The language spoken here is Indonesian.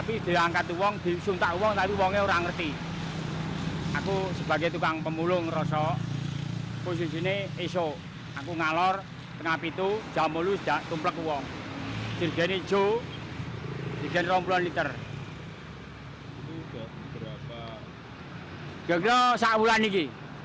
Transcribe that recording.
ini juga di bulan ini